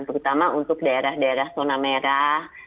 terutama untuk daerah daerah zona merah